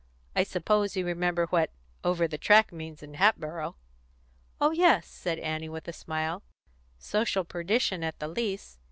"I suppose you remember what 'Over the Track' means in Hatboro'?" "Oh yes," said Annie, with a smile. "Social perdition at the least.